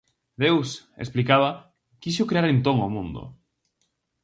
Deus, explicaba, quixo crear entón o Mundo.